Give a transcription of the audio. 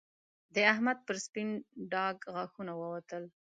د احمد پر سپين ډاګ غاښونه ووتل